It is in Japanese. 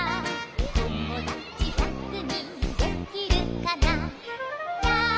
「ともだちひゃくにんできるかな」